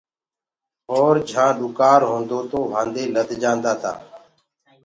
اور جھآنٚ ڏُڪار هونٚدو وهانٚدي لد جآندآ تآ۔